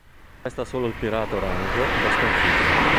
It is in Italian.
Resta solo il Pirata Orango da sconfiggere.